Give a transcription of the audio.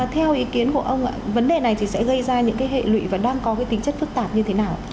theo ý kiến của ông ạ vấn đề này thì sẽ gây ra những hệ lụy và đang có tính chất phức tạp như thế nào